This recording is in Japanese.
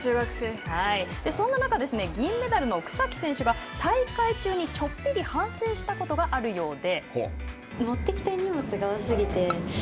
そんな中銀メダルの草木選手が大会中にちょっぴり反省したことがあるようで。